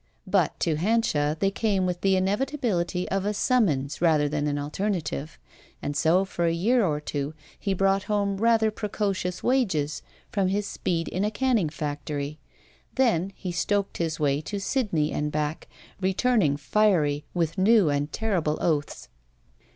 But to Hanscha they came with the inevitability of a summons rather than an alternative, and so for a year or two he brought home rather precocious wages from his speed in a canning factory. Then he stoked his way to Sydney and back, returning fiery with new and terrible oaths.